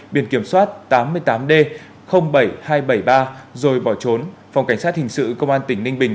biển kiểm soát tám mươi tám d bảy nghìn hai trăm bảy mươi ba rồi bỏ trốn phòng cảnh sát hình sự công an tỉnh ninh bình